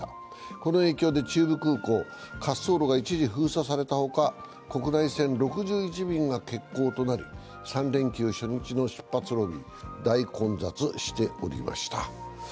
この影響で中部空港、滑走路が一時封鎖されたほか、国内線６１便が欠航となり、３連休初日の出発ロビー大混雑しておりました。